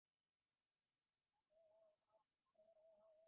ব্যষ্টির স্বার্থরক্ষার জন্য সমষ্টির কল্যাণের দিকে প্রথম দৃষ্টিপাত।